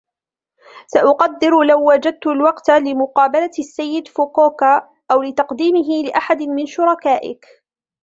سأقدّر لو وجدت الوقت لمقابلة السيد فوكوكا ، أو لتقديمه لأحدٍ من شركائك.